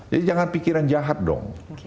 jadi jangan pikiran jahat dong